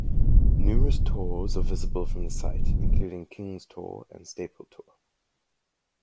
Numerous tors are visible from the site, including King's Tor and Staple Tor.